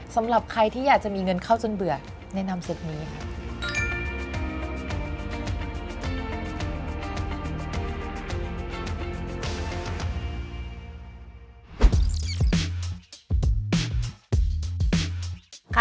สำหรับใครที่อยากจะมีเงินเข้าจนเบื่อแนะนำเซตนี้ค่ะ